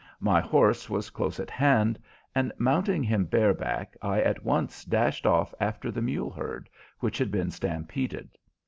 My horse was close at hand, and mounting him bareback, I at once dashed off after the mule herd, which had been stampeded.